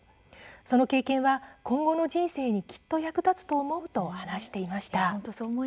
その経験は今後の人生にきっと役立つと思うと話していました。